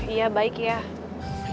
iya baik ya